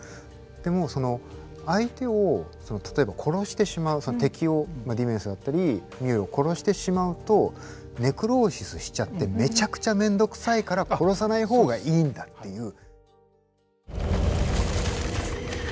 でもその相手を例えば殺してしまう敵をディメンスだったりミュールを殺してしまうとネクローシスしちゃってめちゃくちゃめんどくさいから殺さない方がいいんだっていう。